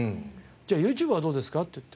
「じゃあＹｏｕＴｕｂｅはどうですか？」って言って。